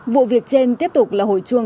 vụ việc trên tiếp tục là hội chuông